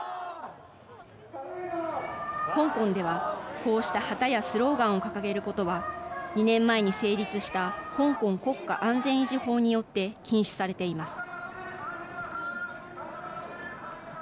香港では、こうした旗やスローガンを掲げることは２年前に成立した香港国家安全維持法によって禁止されています。